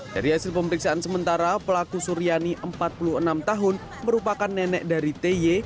dari hasil pemeriksaan sementara pelaku suryani empat puluh enam tahun merupakan nenek dari ty